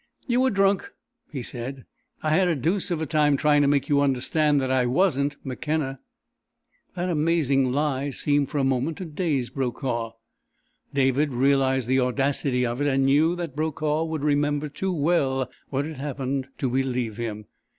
"You were drunk," he said. "I had a deuce of a time trying to make you understand that I wasn't McKenna." That amazing lie seemed for a moment to daze Brokaw. David realized the audacity of it, and knew that Brokaw would remember too well what had happened to believe him.